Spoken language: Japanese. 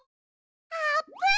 あーぷん！